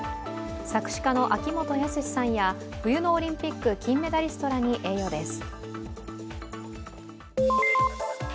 作詞家の秋元康さんや冬のオリンピック金メダリストらに栄誉です。